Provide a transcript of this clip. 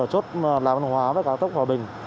chốt làm hòa với cán tốc hòa bình